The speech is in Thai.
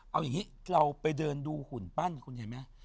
เอาอย่างนี้เราไปเดินดูหุ่นปั้นคุณเห็นไหม